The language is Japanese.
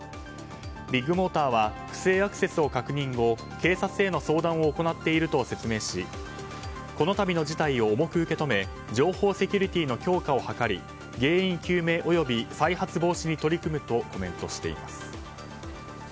ビッグモーターは不正アクセスを確認後警察への相談を行っていると説明しこのたびの事態を重く受け止め情報セキュリティーの強化を図り、原因究明及び再発防止に取り組むとコメントしています。